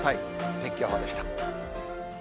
天気予報でした。